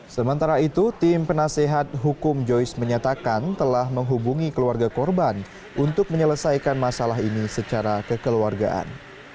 sementara itu tim penasehat hukum joyce menyatakan telah menghubungi keluarga korban untuk menyelesaikan masalah ini secara kekeluargaan